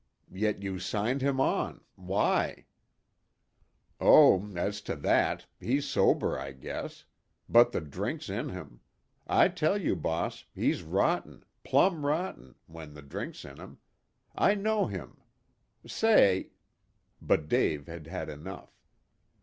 "Yet you signed him on. Why?" "Oh, as to that, he's sober, I guess. But the drink's in him. I tell you, boss, he's rotten plumb rotten when the drink's in him. I know him. Say " But Dave had had enough.